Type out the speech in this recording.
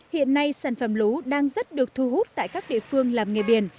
hiện nay sản phẩm lúa đang rất được thu hút tại các địa phương làm nghề biển